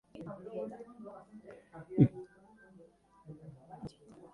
Ikuskizuna ingelesez izango da, baina itzulpen laburrak egingo dira euskarara eta gaztelaniara.